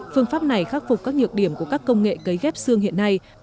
phương pháp này khắc phục các nhiệt điểm của các công nghệ gấy ghép xương hiện nay